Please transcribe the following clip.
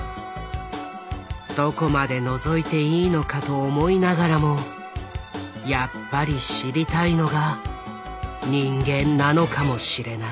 どこまで覗いていいのかと思いながらもやっぱり知りたいのが人間なのかもしれない。